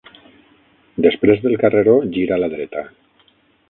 Després del carreró, gira a la dreta.